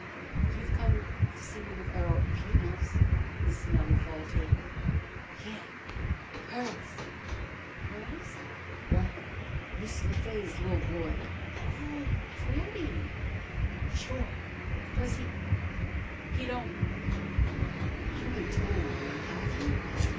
"You've come to see one of our pupils?" Miss Nellie faltered. "Yeah. Hers." "Hers?" "W'y, Miss Le Fay's li'l boy." "Oh, Freddy?" "Sure! Does he he don't you ain't tole 'im yet, have you?"